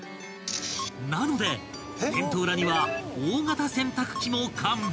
［なのでテント裏には大型洗濯機も完備］